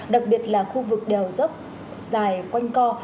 đặc biệt là khu vực đèo dốc dài quanh co